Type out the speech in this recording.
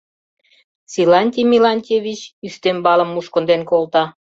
— Силантий Мелантьевич ӱстембалым мушкынден колта.